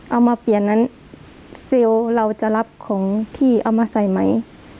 เอามาเปลี่ยนนั้นเซลล์เราจะรับของที่เอามาใส่ไหม